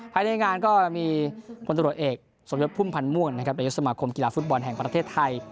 ภายในงานก็มีพลตรวจเอกสมยศพุ่มพันธ์ม่วงนะครับนายกสมาคมกีฬาฟุตบอลแห่งประเทศไทย